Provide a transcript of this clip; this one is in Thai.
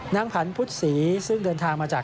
ผันพุทธศรีซึ่งเดินทางมาจาก